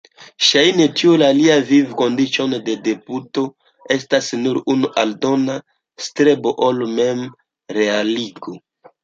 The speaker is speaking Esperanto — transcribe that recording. Ŝajne tiuj liaj vivkondiĉoj de deputito estas nur unu aldona strebo al memrealigo.